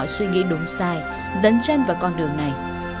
suy nghĩ đúng sai dấn chân vào con đường này